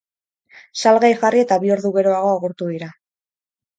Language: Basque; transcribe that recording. Salgai jarri eta bi ordu geroago agortu dira.